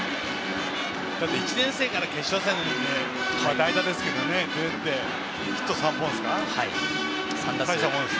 １年生から決勝戦で代打ですけど出てヒット３本はたいしたもんです。